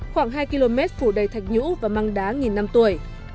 khoảng hai km phủ đầy thạch nhũ và măng đá nghìn năm tuổi